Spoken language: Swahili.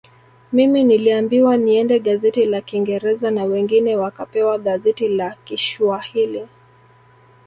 Mimi niliambiwa niende gazeti la kingereza na wengine wakapewa gazeti la kishwahili